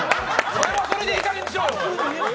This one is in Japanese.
それはそれでいいかげんにしろよ！